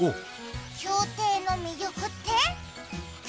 競艇の魅力って？